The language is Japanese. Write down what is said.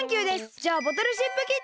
じゃあボトルシップキッチンへ！